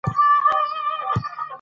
تاریخ د خپل ولس د احترام لامل دی.